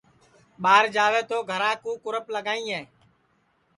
ٻار جاوے تو گھرا کُو کُرپ لگائیں